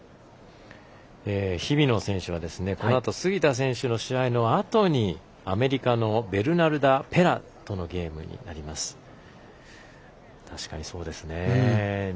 日比野選手はこのあと、杉田選手の試合のあとに、アメリカのベルナルダ・ペラとのゲームになります。